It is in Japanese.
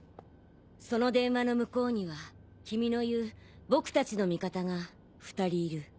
その電話の向こうには君の言う「僕たちの味方」が２人いる。